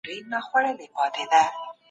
مغولو خپلي تېروتني په زړورتیا سره ومنلي.